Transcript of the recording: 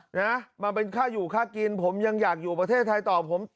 นะมันเป็นค่าอยู่ค่ากินผมยังอยากอยู่ประเทศไทยต่อผม